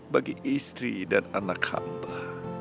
bagi istri dan anak hamba